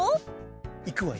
いくわよ。